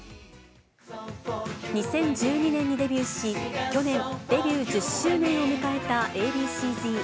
２０１２年にデビューし、去年、デビュー１０周年を迎えたＡ．Ｂ．ＣーＺ。